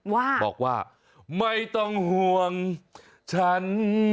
ว่าบอกว่าไม่ต้องห่วงฉัน